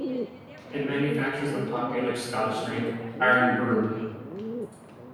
It manufactures the popular Scottish drink, Irn-Bru.